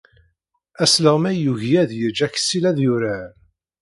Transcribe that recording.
Asleɣmay yugi ad yeǧǧ Aksil ad yurar.